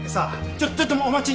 ちょちょっとお待ち！